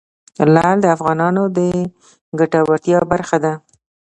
لعل د افغانانو د ګټورتیا برخه ده.